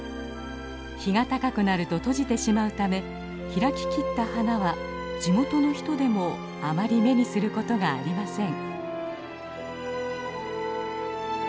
日が高くなると閉じてしまうため開ききった花は地元の人でもあまり目にすることがありません。